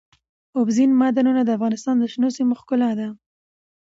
اوبزین معدنونه د افغانستان د شنو سیمو ښکلا ده.